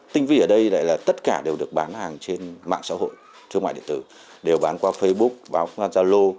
tinh vi ở đây lại là tất cả đều được bán hàng trên mạng xã hội thương mại điện tử đều bán qua facebook báo zalo